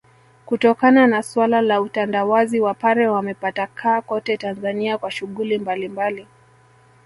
kutokana na suala la utandawazi Wapare wametapakaa kote Tanzania kwa shughuli mbalimbali